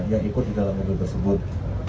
yang ikut di dalam mobil tersebut